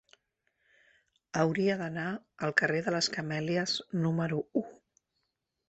Hauria d'anar al carrer de les Camèlies número u.